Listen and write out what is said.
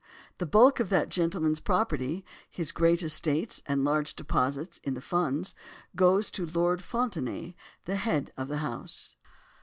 The bulk of that gentleman's property, his great estates, and large deposits in the funds, goes to Lord Fontenaye, the head of the house.